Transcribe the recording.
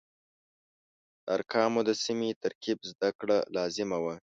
د ارقامو د سمې ترکیب زده کړه لازمه وه.